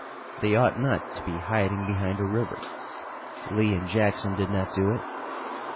They ought not to be hiding behind a river. Lee and Jackson did not do it.